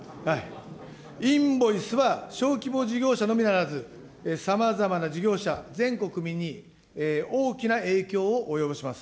インボイスは、小規模事業者のみならず、さまざまな事業者、全国民に、大きな影響を及ぼします。